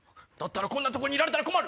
こんなとこにいられたら困る！